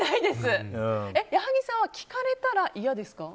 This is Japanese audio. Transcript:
矢作さんは聞かれたら嫌ですか？